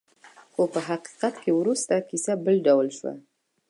خو په حقیقت کې وروسته کیسه بل ډول شوه.